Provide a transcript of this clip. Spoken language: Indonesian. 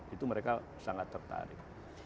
itu mereka sangat tertarik